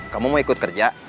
kamu mau ikut kerja